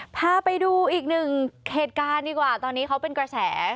พาไปดูอีกหนึ่งเหตุการณ์ดีกว่าตอนนี้เขาเป็นกระแส